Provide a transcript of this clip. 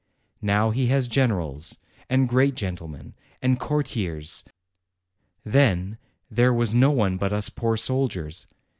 Now, he has generals, and great gentlemen, and courtiers; then, there was no one but us poor soldiers.